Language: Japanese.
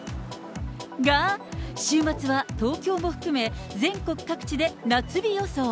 が、週末は東京も含め、全国各地で夏日予想。